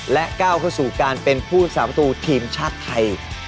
และก้าวเข้าสู่การเป็นผู้สาวประตูทีมชาติไทย